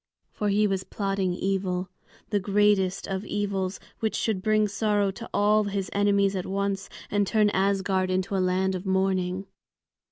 For he was plotting evil, the greatest of evils, which should bring sorrow to all his enemies at once and turn Asgard into a land of mourning.